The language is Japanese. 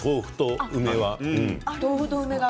豆腐と梅が。